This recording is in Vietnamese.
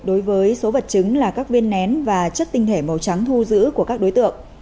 đối với số vật chứng là các viên nén và chất tinh thể màu trắng thu giữ của các đối tượng